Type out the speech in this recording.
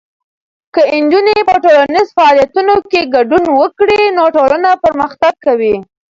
که نجونې په ټولنیزو فعالیتونو کې ګډون وکړي، نو ټولنه پرمختګ کوي.